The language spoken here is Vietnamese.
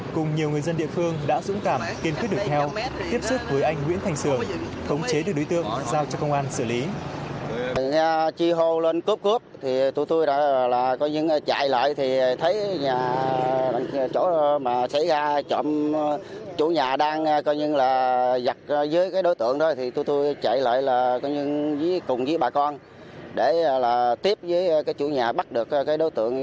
cùng nhiều người dân địa phương đã dũng cảm kiên quyết được theo tiếp xúc với anh nguyễn thành sường thống chế được đối tượng giao cho công an xử lý